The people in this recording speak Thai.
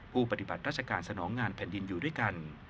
ปฏิบัติราชการสนองงานแผ่นดินอยู่ด้วยกัน